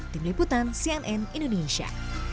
tim liputan cnn indonesia